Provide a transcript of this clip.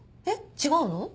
えっ違うの？